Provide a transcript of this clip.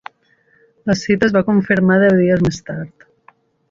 La cita es va confirmar deu dies més tard.